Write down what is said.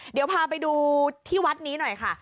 เดี๋ยวพาไปดูที่วัดนี้หน่อยค่ะ